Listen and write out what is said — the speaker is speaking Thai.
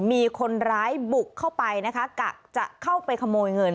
มีคนร้ายบุกเข้าไปนะคะกะจะเข้าไปขโมยเงิน